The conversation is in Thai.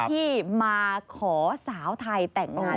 ที่มาขอสาวไทยแต่งงาน